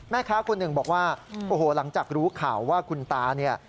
แม่ค้าคนหนึ่งบอกว่าโอ้โหหลังจากรู้ข่าวว่าคุณตาเนี่ย